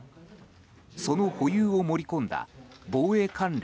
その保有を盛り込んだ防衛関連